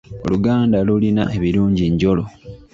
Oluganda lulina ebirungi njolo.